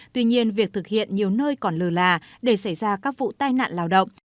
tuy nhiên việc thực hiện nhiều nơi còn lờ là để xảy ra các vụ tai nạn lao động